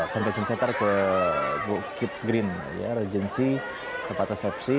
dan kejensetar ke bukit green ya regensi tempat resepsi